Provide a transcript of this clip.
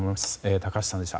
高橋さんでした。